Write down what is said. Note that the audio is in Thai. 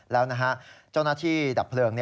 แล้วเจ้าหน้าที่ดับเพลิง